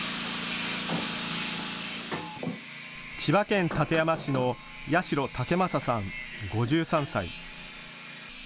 千葉県館山市の八代健正さん５３歳。